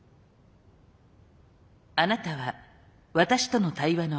あなたは私との対話の間